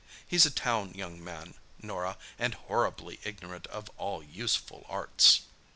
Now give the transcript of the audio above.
He's a town young man, Norah, and horribly ignorant of all useful arts."